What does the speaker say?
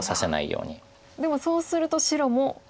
でもそうすると白もきますか？